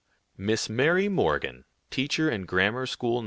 Miss Mary Morgan, teacher in grammar school No.